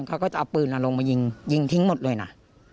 เขาก็จะเอาปืนลงมายิงยิงทิ้งหมดเลยนะ